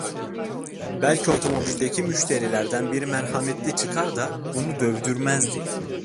Belki otomobildeki müşterilerden bir merhametli çıkar da bunu dövdürmezdi.